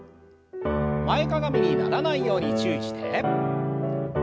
前かがみにならないように注意して。